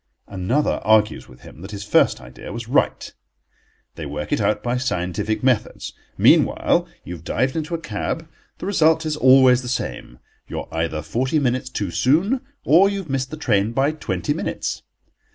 Another argues with him that his first idea was right. They work it out by scientific methods. Meanwhile you have dived into a cab. The result is always the same: you are either forty minutes too soon, or you have missed the train by twenty minutes.